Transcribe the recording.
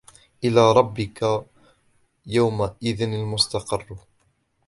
إلى ربك يومئذ المستقر